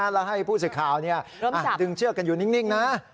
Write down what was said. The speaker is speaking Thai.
แล้วให้ผู้สื่อข่าวดึงเชือกกันอยู่นิ่งนะ